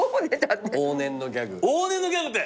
「往年のギャグ」って！